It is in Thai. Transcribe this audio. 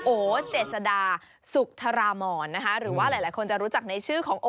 โอ้ดเจศราสุธราหมอน